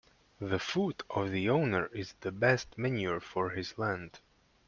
The foot of the owner is the best manure for his land.